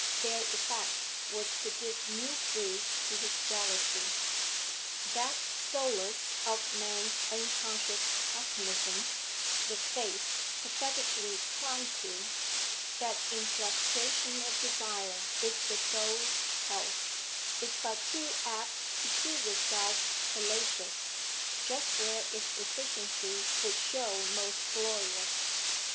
Their effect was to give new food to his jealousy. That solace of men's unconscious pessimism, the faith, pathetically clung to, that in frustration of desire is the soul's health, is but too apt to prove itself fallacious just where its efficiency would show most glorious.